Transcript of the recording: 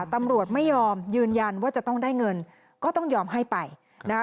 ตำรวจไม่ยอมยืนยันว่าจะต้องได้เงินก็ต้องยอมให้ไปนะคะ